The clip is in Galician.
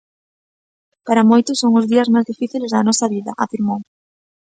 "Para moitos son os días máis difíciles da nosa vida", afirmou.